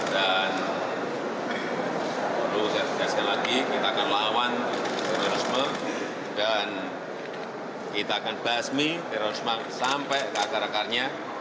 dan perlu saya tegaskan lagi kita akan lawan terorisme dan kita akan basmi terorisme sampai ke akar akarnya